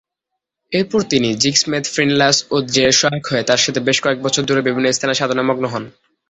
এরপর তিনি 'জিগ্স-মেদ-'ফ্রিন-লাস-'ওদ-জেরের সহায়ক হয়ে তার সাথে বেশ কয়েক বছর ধরে বিভিন্ন স্থানে সাধনায় মগ্ন হন।